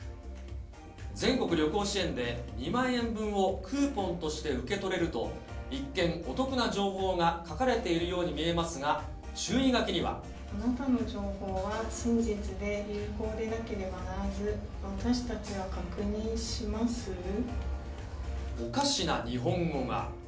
全国旅行支援で２万円分をクーポンとして受け取れると、一見、お得な情報が書かれているように見えますが、あなたの情報は真実で有効でなければならず、おかしな日本語が。